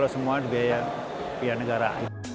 semua dibiayai pihak negara